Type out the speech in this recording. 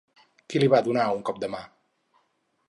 Qui li va donar un cop de mà?